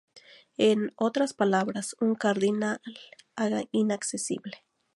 En otras palabras, un cardinal inaccesible.